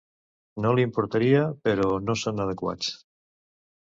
No li importaria; però no són adequats.